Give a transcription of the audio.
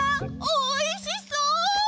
おいしそう！